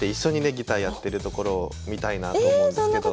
ギターやってるところを見たいなと思うんですけど。